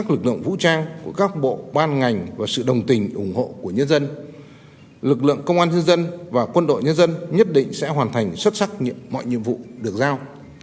lực lượng công an nhân dân và quân đội nhân dân nhất định sẽ hoàn thành xuất sắc mọi nhiệm vụ được giao